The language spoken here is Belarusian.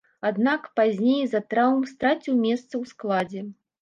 Аднак, пазней з-за траўм страціў месца ў складзе.